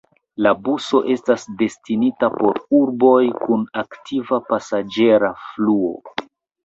La buso estas destinita por urboj kun aktiva pasaĝera fluo.